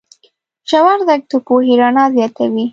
ژور درک د پوهې رڼا زیاتوي.